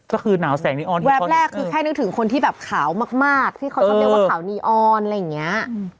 แบบแรกคือแค่นึกถึงคนที่แบบขาวมากที่เขาเขาเรียกว่าขาวนีออนอะไรอย่างเงี้ย